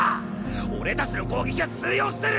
俺たちの攻撃は通用してる！